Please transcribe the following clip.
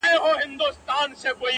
o ښه مه پر واړه که، مه پر زاړه که!